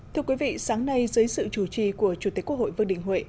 thưa quý vị sáng nay dưới sự chủ trì của chủ tịch quốc hội vương đình huệ